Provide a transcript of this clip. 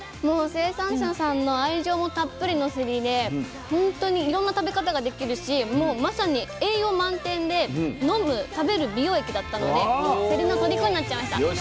もう生産者さんの愛情もたっぷりのせりで本当にいろんな食べ方ができるしもうまさに栄養満点で飲む食べる美容液だったのでせりのとりこになっちゃいました。